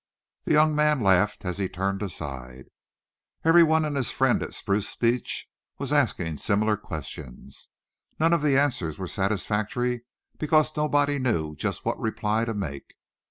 The young man laughed as he turned aside. Everyone and his friend at Spruce Beach was asking similar questions. None of the answers were satisfactory, because nobody knew just what reply to make.